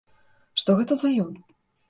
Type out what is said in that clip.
Што гэта за ён?